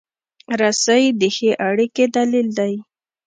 رسۍ د ښې اړیکې دلیل دی.